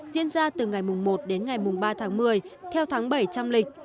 diễn ra từ ngày mùng một đến ngày mùng ba tháng một mươi theo tháng bảy trăm linh lịch